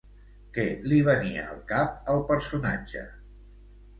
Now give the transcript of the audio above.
Què li venia al cap al personatge?